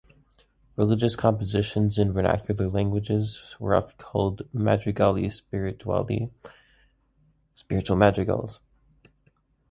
Religious compositions in vernacular languages were often called "madrigali spirituali", "spiritual madrigals".